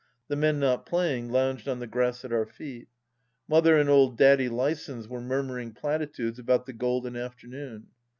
The men not playing lounged on the grass at our feet. Mother and old Daddy Lysons were murmuring platitudes about the " golden afternoon."